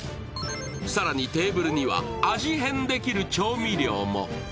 更に、テーブルには味変できる調味料も。